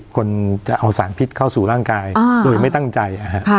คนจะเอาสารพิษเข้าสู่ร่างกายโดยไม่ตั้งใจ